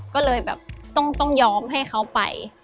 ก็เลยแบบต้องยอมให้เขาไป